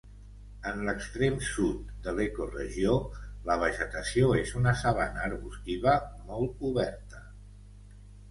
En l'extrem sud de l'ecoregió la vegetació és una sabana arbustiva molt oberta.